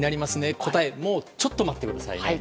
答えは、もうちょっと待ってくださいね。